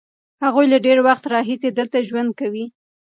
هغوی له ډېر وخت راهیسې دلته ژوند کوي.